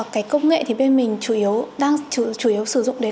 cái công nghệ thì bên mình chủ yếu sử dụng đến